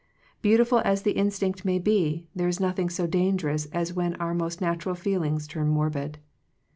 Beautiful as the instinct may be, there is nothing so dangerous as when our most natural feeling turns morbid.